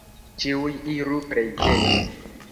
Ĉiuj iru preĝejon!